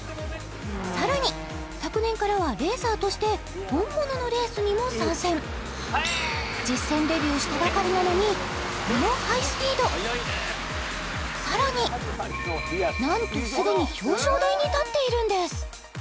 さらに昨年からはレーサーとして本物のレースにも参戦実戦デビューしたばかりなのにこのハイスピードさらになんとすぐに表彰台に立っているんです